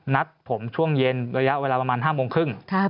นัดผมช่วงเย็นระยะเวลาประมาณ๕โมงครึ่ง